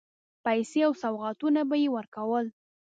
پیسې او سوغاتونه به یې ورکول.